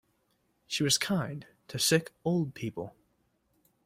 She was kind to sick old people.